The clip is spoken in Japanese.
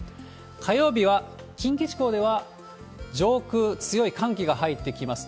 火曜日は、近畿地方では上空、強い寒気が入ってきます。